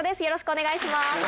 よろしくお願いします。